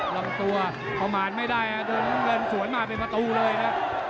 ลำตัวประมาณไม่ได้โดนน้ำเงินสวนมาเป็นประตูเลยนะ